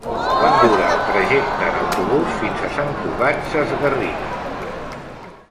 Quant dura el trajecte en autobús fins a Sant Cugat Sesgarrigues?